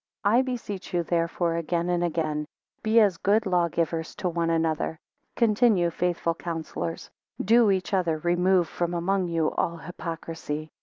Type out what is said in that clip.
11 I beseech you, therefore, again, and again, Be as good lawgiver's to one Another; continue faithful counsellors do each other remove from among you all hypocrisy.